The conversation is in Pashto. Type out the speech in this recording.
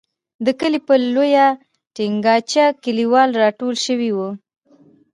د کلي پر لویه تنګاچه کلیوال را ټول شوي وو.